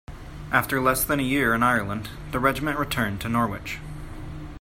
After less than a year in Ireland, the regiment returned to Norwich.